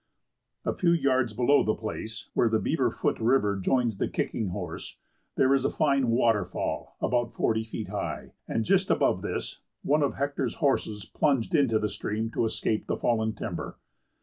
A few yards below the place, where the Beaverfoot River joins the Kicking Horse, there is a fine waterfall about forty feet high, and just above this, one of Hector's horses plunged into the stream to escape the fallen timber.